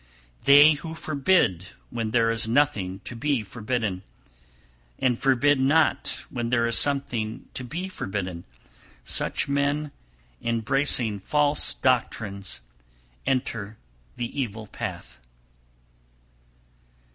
318. They who forbid when there is nothing to be forbidden, and forbid not when there is something to be forbidden, such men, embracing false doctrines, enter the evil path.